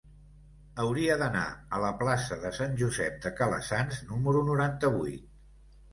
Hauria d'anar a la plaça de Sant Josep de Calassanç número noranta-vuit.